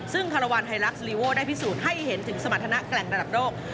ซึ่งคาราวานไฮลักษลีโวได้พิสูจน์ให้เห็นถึงสมรรถนะแกร่งระดับโลก